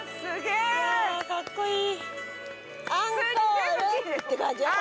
うわかっこいい！